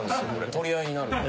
取り合いになるって。